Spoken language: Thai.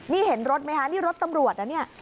นี่เห็นรถไหมคะนี่รถตำรวจนะเนี่ย